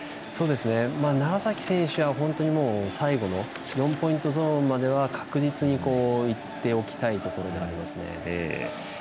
楢崎選手は、本当に最後の４ポイントゾーンまでは確実にいっておきたいところではありますね。